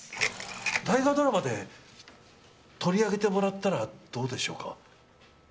大河ドラマで取り上げてもらったらどうでしょうか。